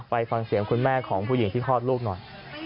ไปฟังเสียงคุณแม่ของผู้หญิงที่คลอดลูกหน่อย